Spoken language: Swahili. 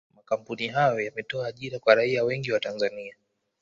Makampuni hayo yametoa ajira kwa raia wengi wa Tanzania